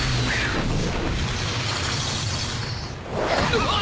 うわっ！